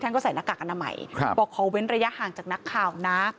ก็ใส่หน้ากากอนามัยบอกขอเว้นระยะห่างจากนักข่าวนะ